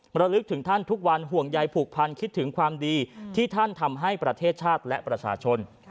ระลึกถึงท่านทุกวันห่วงใยผูกพันคิดถึงความดีที่ท่านทำให้ประเทศชาติและประชาชน